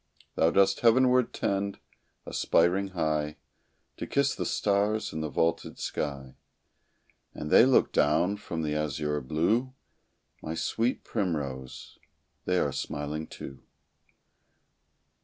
Thou dost heaven ward tend, aspiring high, To kiss the stars in the vaulted sky, And they look down from the azure blue, My sweet primrose they are smiling, too.